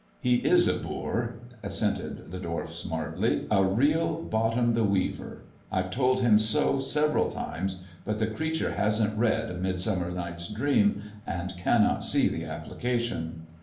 He is a boor," assented the dwarf smartly; "a real Bottom the Weaver. IVe told him so several times, but the creature hasn't read A Midsn/mmer Night^a Dream, and cannot see the application.